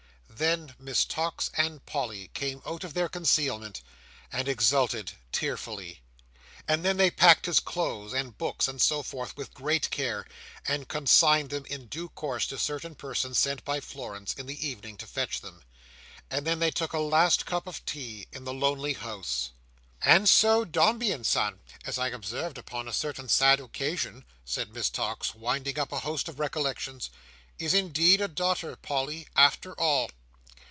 Then, Miss Tox and Polly came out of their concealment, and exulted tearfully. And then they packed his clothes, and books, and so forth, with great care; and consigned them in due course to certain persons sent by Florence, in the evening, to fetch them. And then they took a last cup of tea in the lonely house. "And so Dombey and Son, as I observed upon a certain sad occasion," said Miss Tox, winding up a host of recollections, "is indeed a daughter, Polly, after all."